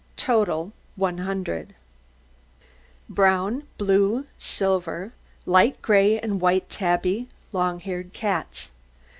TOTAL 100 BROWN, BLUE, SILVER, LIGHT GRAY, AND WHITE TABBY LONG HAIRED CATS.